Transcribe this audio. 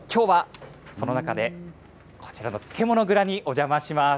きょうはその中でこちらの漬物蔵にお邪魔します。